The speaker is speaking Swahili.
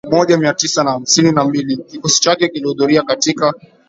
Tangu mwaka elfu moja Mia Tisa na hamsini na mbili kikosi chake kilihudhuria katika